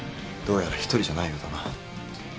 どうやら１人じゃないようだな。